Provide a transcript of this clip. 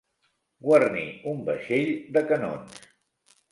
Guarnir un vaixell de canons.